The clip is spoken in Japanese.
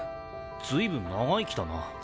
随分長生きだな。